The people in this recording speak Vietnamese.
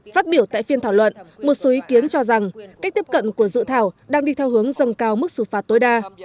phát biểu tại phiên thảo luận một số ý kiến cho rằng cách tiếp cận của dự thảo đang đi theo hướng dâng cao mức xử phạt tối đa